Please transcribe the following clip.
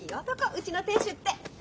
うちの亭主って。